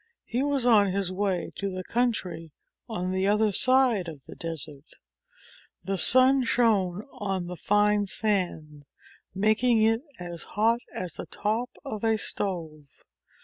He was on his way to the country on the other side of the desert. The sun shone on the fine sand, making it as hot as the top of a stove.